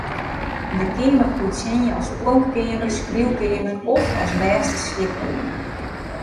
Der keamer koe tsjinje as pronkkeamer, skriuwkeamer of as bêste sliepkeamer.